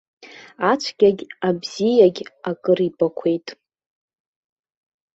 Ацәгьагь абзиагь акры ибақәеит.